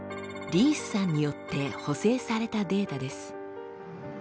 リースさんによって補正されたデータです。